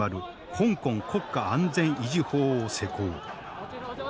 「香港国家安全維持法」を施行。